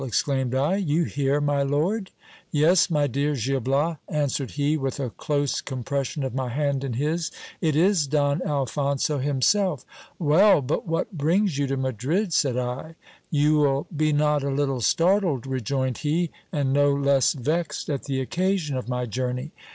exclaimed I : you here, my lord ? Yes, my dear Gil Bias, an swered he with a close compression of my hand in his, it is Don Alphonso him self. Well ! but what brings you to Madrid ? said I. You will be not a little startled, rejoined he, and no less vexed at the occasion of my journey.